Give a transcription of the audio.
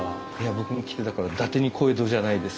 僕もだからだてに小江戸じゃないです。